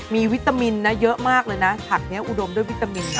มีวิตามินนะเยอะมากเลยนะผักนี้อุดมด้วยวิตามินนะ